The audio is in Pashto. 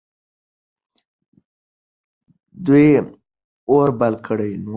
دوی اور بل کړی نه و.